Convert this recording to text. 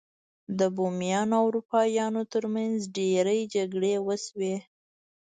د بومیانو او اروپایانو ترمنځ ډیرې جګړې وشوې.